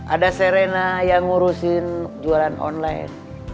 ada serena yang ngurusin jualan online